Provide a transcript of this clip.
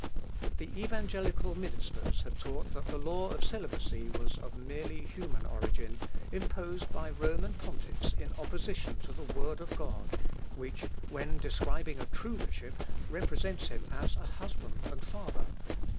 The evangelical ministers had taught that the law of celibacy was of merely human origin, imposed by Roman pontiffs in opposition to the Word of God, which, when describing a true bishop, represents him as a husband and father.